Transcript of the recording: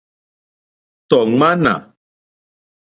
Tɔ̀ ŋmánà.